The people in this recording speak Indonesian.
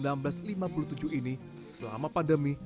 berusaha memenuhi kebutuhan pangan secara mandiri selama pandemi